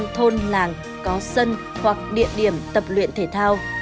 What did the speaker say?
một trăm linh thôn làng có sân hoặc địa điểm tập luyện thể thao